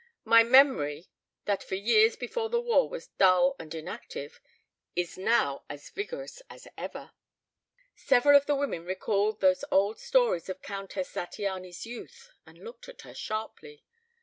"My memory, that for years before the war was dull and inactive, is now as vigorous as ever." Several of the women recalled those old stories of Countess Zattiany's youth, and looked at her sharply.